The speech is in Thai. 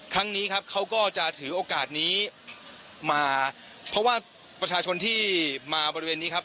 ครั้งนี้ครับเขาก็จะถือโอกาสนี้มาเพราะว่าประชาชนที่มาบริเวณนี้ครับ